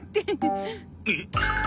えっ！？